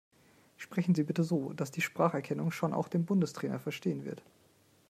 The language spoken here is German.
Sprechen Sie bitte so, dass die Spracherkennung schon auch den Bundestrainer verstehen wird.